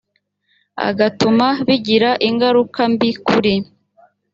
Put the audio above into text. agatuma bigira ingaruka mbi kuri